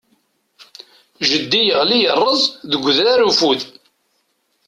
Jeddi yeɣli yeṛṛez deg udrar ufud.